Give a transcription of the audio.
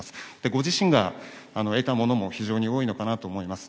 ご自身が得たものも非常に多いのかなと思います。